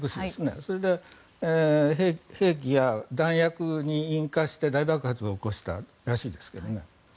それで兵器や弾薬に引火して大爆発を起こしたらしいですけどね。